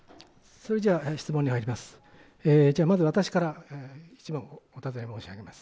それじゃ質問に入ります。